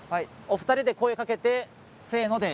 お二人で声かけてせので。